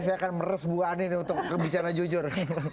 saya akan meres buah aneh untuk bicara jujur